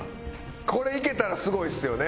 これいけたらすごいですよね。